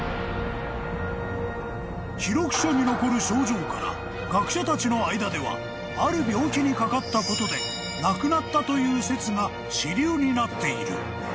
［記録書に残る症状から学者たちの間ではある病気にかかったことで亡くなったという説が主流になっている］